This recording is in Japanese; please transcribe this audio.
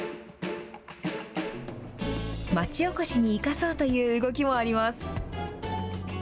町おこしに生かそうという動きもあります。